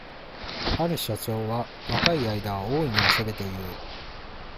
ある社長は、若い間はおおいに遊べという。